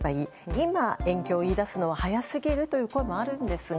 今、延期を言い出すのは早すぎるという声もあるんですが。